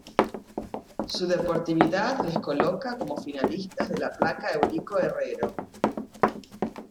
Su deportividad les coloca como finalistas de la placa "Eurico Herrero".